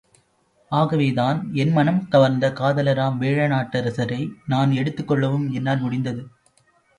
அகவேதான், என் மனம் கவர்ந்த காதலராம் வேழ நாட்டரசரை நான் எடுத்துக் கொள்ளவும் என்னால் முடிந்தது!...